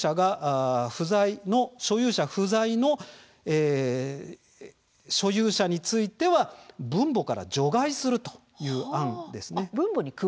所有者不在の場合に所有者については分母から除外するという案です。